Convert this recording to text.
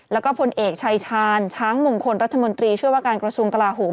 แล้วก็พลเอกชายชาญช้างมงคลรัฐมนตรีช่วยว่าการกระทรวงกลาโหม